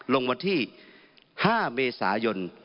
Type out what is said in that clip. ลงมาที่๕เมษายน